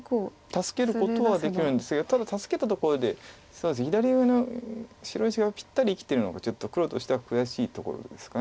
助けることはできるんですがただ助けたところで左上の白石がぴったり生きてるのがちょっと黒としては悔しいところですか